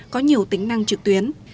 có nhiều tính năng trực tuyến